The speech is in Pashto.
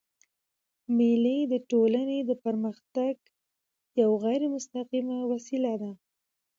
مېلې د ټولني د پرمختګ یوه غیري مستقیمه وسیله ده.